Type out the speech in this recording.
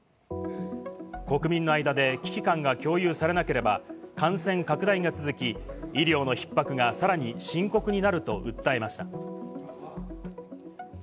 国民の間で危機感が共有されなければ、感染拡大が続き、医療のひっ迫がさらに深刻になると訴えました。